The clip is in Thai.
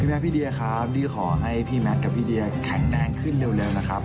แม่พี่เดียครับพี่ขอให้พี่แมทกับพี่เดียแข็งแรงขึ้นเร็วนะครับ